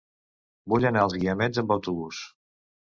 Vull anar als Guiamets amb autobús.